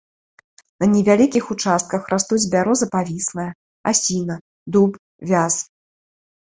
На невялікіх участках растуць бяроза павіслая, асіна, дуб, вяз.